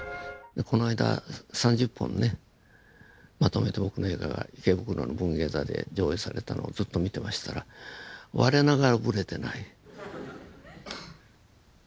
この間３０本ねまとめて僕の映画が池袋の文芸坐で上映されたのをずっと見てましたら我ながらブレてない。